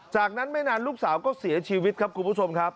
จากนั้นไม่นานลูกสาวก็เสียชีวิตครับคุณผู้ชมครับ